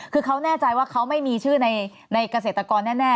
คือเขาแน่ใจว่าเขาไม่มีชื่อในเกษตรกรแน่